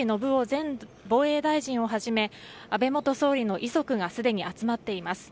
前防衛大臣をはじめ安倍元総理の遺族がすでに集まっています。